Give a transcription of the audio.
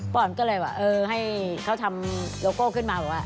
อ่อนก็เลยแบบเออให้เขาทำโลโก้ขึ้นมาบอกว่า